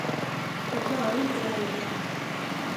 Jag klarar inte det här längre.